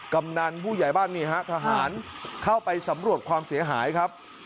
กำนันผู้ใหญ่บ้านนี่ฮะทหารเข้าไปสำรวจความเสียหายครับ